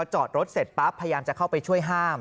จอดรถเสร็จปั๊บพยายามจะเข้าไปช่วยห้าม